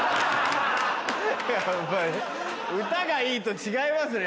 やっぱり歌がいいと違いますね。